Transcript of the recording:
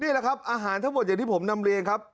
นี่แหละครับอาหารทั้งหมดอย่างที่ผมนำเรียนครับ